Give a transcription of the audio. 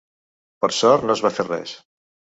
Per sort no es va fer res.